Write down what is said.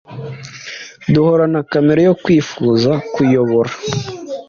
Duhorana kamere yo kwifuza kuyobora.